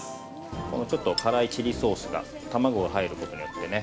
このちょっと辛いチリソースが卵が入ることによってね